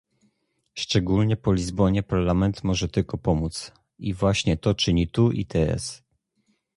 Szczególnie po Lizbonie Parlament może tylko pomóc, i właśnie to czyni tu i teraz